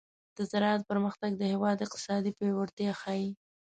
د زراعت پرمختګ د هېواد اقتصادي پیاوړتیا ښيي.